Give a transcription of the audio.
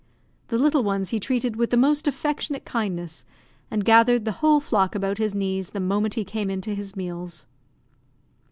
The little ones he treated with the most affectionate kindness, and gathered the whole flock about his knees the moment he came in to his meals.